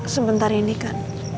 sebentar ini kan